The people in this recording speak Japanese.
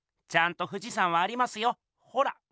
ちゃんと富士山はありますよほら。